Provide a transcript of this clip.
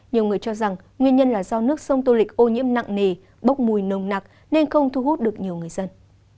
nhiều người cho rằng nguyên nhân là do nước sông tô lịch ô nhiễm nặng nề bốc mùi nồng nặc nên không thu hút được nhiều người dân